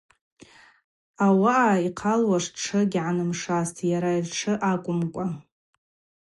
Ауаъа йхъалуаш тшы гьгӏанымшастӏ, йара йтшы акӏвымкӏва.